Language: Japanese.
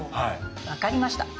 分かりました。